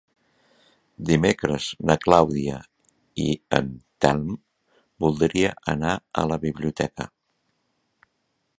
Dimecres na Clàudia i en Telm voldria anar a la biblioteca.